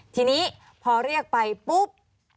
ทีนี้พอเรียกไปปุ๊บ